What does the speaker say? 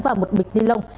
và một bịch ni lông